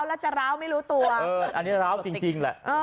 แล้วจะไม่รู้ตัวเอออันนี้จริงจริงแหละเออ